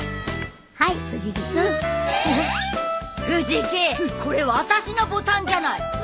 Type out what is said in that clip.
藤木これ私のボタンじゃない。